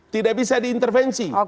tidak bisa diintervensi